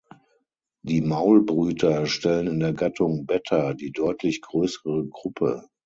Die Maulbrüter stellen in der Gattung "Betta" die deutlich größere Gruppe.